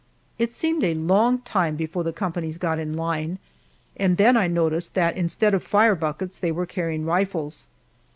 It seemed a long time before the companies got in line, and then I noticed that instead of fire buckets they were carrying rifles.